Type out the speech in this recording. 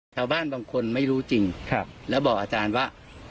ชาวบ้านบางคนไม่รู้จริงแล้วบอกอาจารย์ว่า